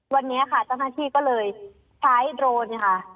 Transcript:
วันนี้ค่ะเจ้าหน้าที่ก็เลยใช้โดรนเนี่ยค่ะ